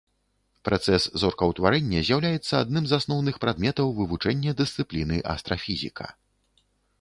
Працэс зоркаўтварэння з'яўляецца адным з асноўных прадметаў вывучэння дысцыпліны астрафізіка.